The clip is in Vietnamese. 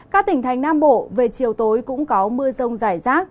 các tỉnh thành nam bộ về chiều tối cũng có mưa rông rải rác